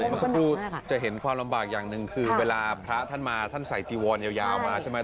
เมื่อสักครู่จะเห็นความลำบากอย่างหนึ่งคือเวลาพระท่านมาท่านใส่จีวอนยาวมาใช่ไหม